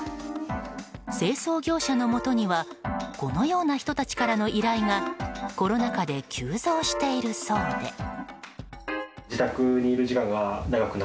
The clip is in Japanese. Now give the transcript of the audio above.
清掃業者のもとにはこのような人たちからの依頼がコロナ禍で急増しているそうで。